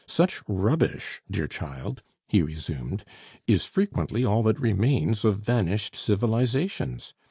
Such 'rubbish,' dear child," he resumed, "is frequently all that remains of vanished civilizations.